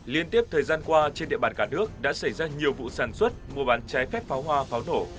liên tiếp thời gian qua trên địa bàn cả nước đã xảy ra nhiều vụ sản xuất mua bán trái phép pháo hoa pháo nổ